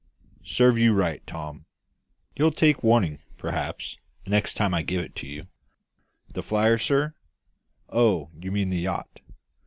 Serve you right, Tom; you'll take warning, perhaps, the next time I give it you.) The flyer, sir? Oh, you mean the yacht.